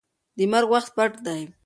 د مرګ وخت پټ دی.